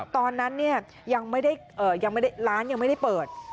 ตอนนั้นเนี่ยยังไม่ได้ร้านยังไม่ได้เปิด